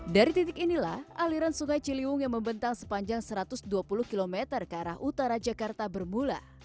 dari titik inilah aliran sungai ciliwung yang membentang sepanjang satu ratus dua puluh km ke arah utara jakarta bermula